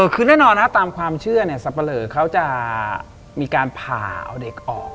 คือแน่นอนครับตามความเชื่อเนี่ยสันเบย์เขาจะมีการพาเอาเด็กออก